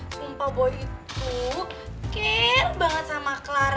sumpah boy itu care banget sama clara